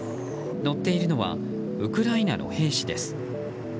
乗っているのはウクライナの兵士です。